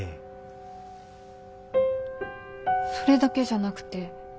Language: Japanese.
それだけじゃなくて。